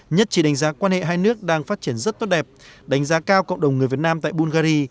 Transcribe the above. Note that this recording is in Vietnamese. nhất chỉ đánh giá quan hệ hai nước đang phát triển rất tốt đẹp đánh giá cao cộng đồng người việt nam tại bungary